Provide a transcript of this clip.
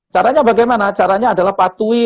caranya bagaimana caranya adalah patuhi